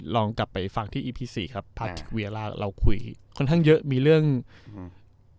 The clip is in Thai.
ลองกลับไปฟังที่อีพีสี่ครับพาเวียล่าเราคุยค่อนข้างเยอะมีเรื่องอืม